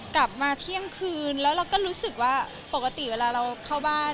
กลับมาเที่ยงคืนแล้วเราก็รู้สึกว่าปกติเวลาเราเข้าบ้าน